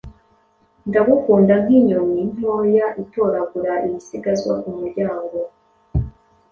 Ndagukunda nk'inyoni ntoya itoragura ibisigazwa ku muryango. '